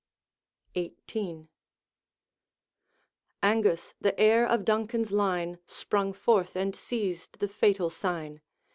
XVIII, Angus, the heir of Duncan's line, Sprung forth and seized the fatal sign.